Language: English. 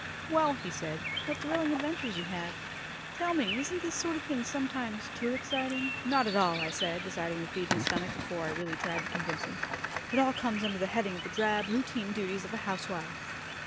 "Well!" he said. "What thrilling adventures you have. Tell me, isn't this sort of thing sometimes too exciting?" "Not at all," I said, deciding to feed his stomach before I really tried to convince him. "It all comes under the heading of the drab, routine duties of a housewife.